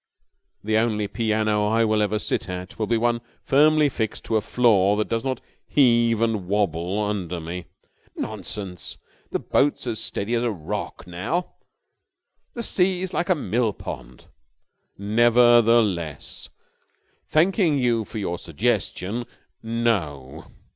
"The only piano I will ever sit at will be one firmly fixed on a floor that does not heave and wobble under me." "Nonsense! The boat's as steady as a rock now. The sea's like a mill pond." "Nevertheless, thanking you for your suggestion, no!"